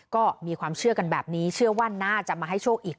ก็มีความเชื่อกันแบบนี้เชื่อว่าน่าจะมาให้โชคอีก